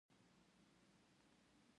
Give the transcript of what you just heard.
هغوی د نجونو راتلونکی بې برخې کړ.